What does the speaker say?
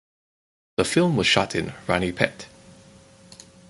The film was shot in Ranipet.